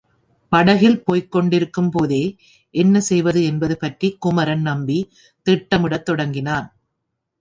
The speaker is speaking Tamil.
படகில் போய்க்கொண்டிருக்கும் போதே என்ன செய்வது என்பது பற்றிக் குமரன் நம்பி திட்டமிடத் தொடங்கினான்.